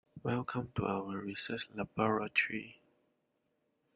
Welcome to our research Laboratory.